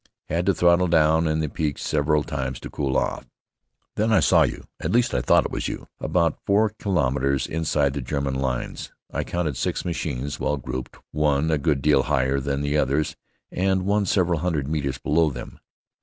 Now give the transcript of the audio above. Had to throttle down and pique several times to cool off. Then I saw you at least I thought it was you about four kilometres inside the German lines. I counted six machines, well grouped, one a good deal higher than the others and one several hundred metres below them.